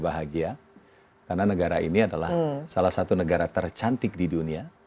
bahagia karena negara ini adalah salah satu negara tercantik di dunia